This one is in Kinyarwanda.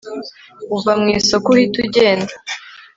uva mwisoko uhita ugenda